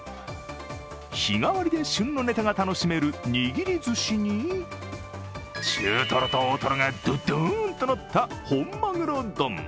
日替わりで旬のネタが楽しめる握りずしに中とろと大とろがドドーンとのった本マグロ丼。